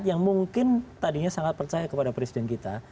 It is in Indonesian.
yang mungkin tadinya sangat percaya kepada presiden kita